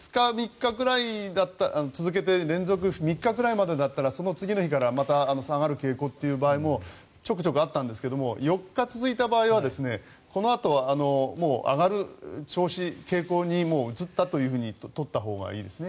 続けて連続３日くらいだったらその次の日からまた下がる傾向というのもちょくちょくあったんですが４日続いた場合はこのあと上がる調子、傾向にもう移ったと取ったほうがいいですね。